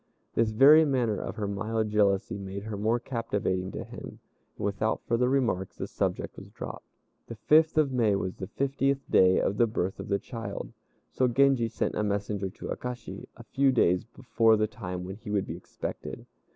This very manner of her mild jealousy made her more captivating to him, and without further remarks the subject was dropped. The fifth of May was the fiftieth day of the birth of the child, so Genji sent a messenger to Akashi a few days before the time when he would be expected.